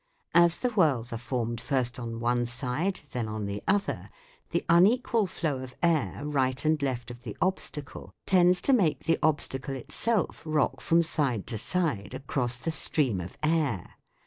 As the whirls are formed first on one side, then on the other, the unequal flow of air right and left of the obstacle tends to make the obstacle itself rock from side to side across the stream of air.